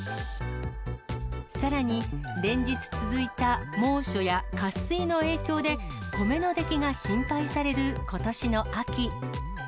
さらに、連日続いた猛暑や渇水の影響で、米の出来が心配されることしの秋。